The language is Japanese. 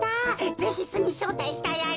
ぜひすにしょうたいしたいアリ。